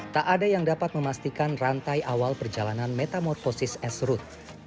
tak ada yang dapat memastikan rantai awal perjalanan metamorfosis esrut